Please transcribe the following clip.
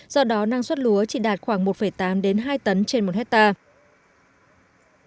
do đó năng suất lúa chỉ đạt khoảng một tám hai tấn trên một hectare